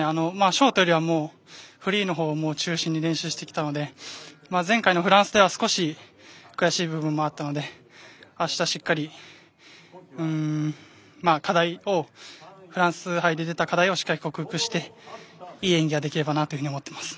ショートよりはフリーのほうを中心に練習してきたので前回のフランスでは少し悔しい部分もあったのであした、しっかりフランス杯で出た課題をしっかり克服していい演技ができればと思っています。